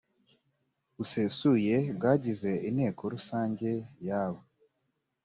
busesuye bw abagize inteko rusange yaba